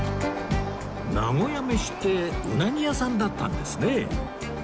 名古屋メシってうなぎ屋さんだったんですね